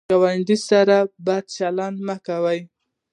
ګاونډي سره بد چلند مه کوه